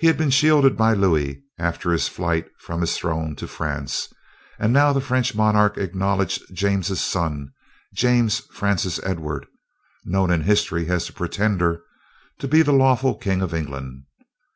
He had been shielded by Louis after his flight from his throne to France, and now the French monarch acknowledged James' son, James Francis Edward (known in history as the pretender) to be the lawful king of England.